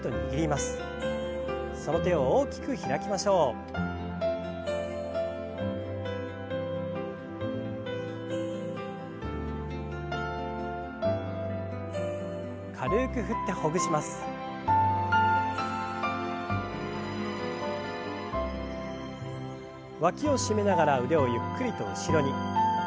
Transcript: わきを締めながら腕をゆっくりと後ろに。